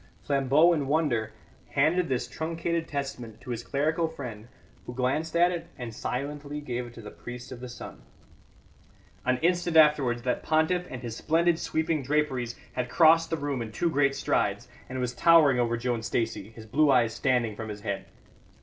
Flambeau, in wonder, handed this truncated testament to his clerical friend, who glanced at it and silently gave it to the priest of the sun. An instant afterwards that pontiff, in his splendid sweeping draperies, had crossed the room in two great strides, and was towering over Joan Stacey, his blue eyes standing from his head.